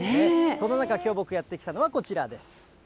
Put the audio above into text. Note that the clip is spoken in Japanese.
その中、きょう僕、やって来たのはこちらです。